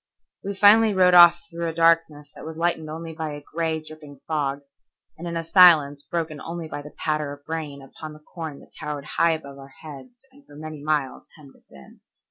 We finally rode off through a darkness that was lightened only by a gray, dripping fog, and in a silence broken only by the patter of rain upon the corn that towered high above our heads and for many miles hemmed us in.